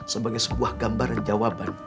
sebagai sebuah gambaran jawab